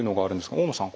大野さん